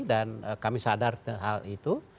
dan kami sadar hal itu